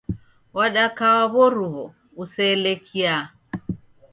Wadaka wa w'oruw'o useelekia.